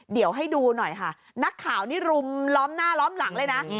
เดี๋ยวให้ดูหน่อยค่ะนักข่าวนี่รุมล้อมหน้าล้อมหลังเลยนะ